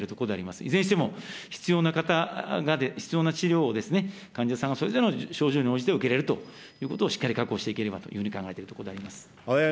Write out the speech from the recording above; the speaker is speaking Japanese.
いずれにしても、必要な方が必要な治療を、患者さんがそれぞれの症状に応じて受けれるということをしっかり確保していければというふうに考えているところであります。